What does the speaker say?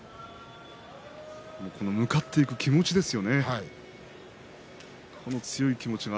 向かっていく気持ちですよね